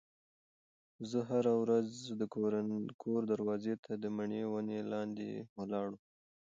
زه هره ورځ د کور دروازې ته د مڼې ونې لاندې ولاړه وم.